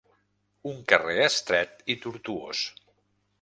Un carrer estret i tortuós.